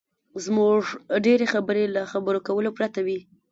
زموږ ډېرې خبرې له خبرو کولو پرته وي.